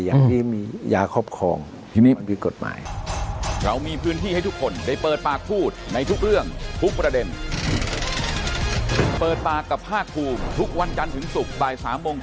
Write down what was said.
อย่างที่มียาครอบครองที่มีกฎหมาย